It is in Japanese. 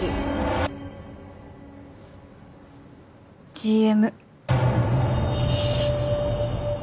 ＧＭ。